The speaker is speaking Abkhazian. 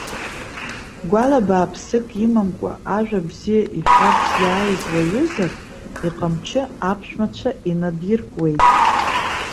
Гәала бааԥсык имамкәа, ажәа бзиа иҳәарц иааиз уаҩызар, иҟамчы аԥшәмацәа инадиркуеит.